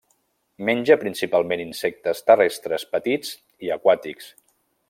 Menja principalment insectes terrestres petits i aquàtics.